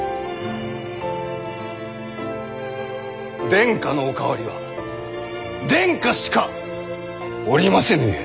殿下のお代わりは殿下しかおりませぬゆえ。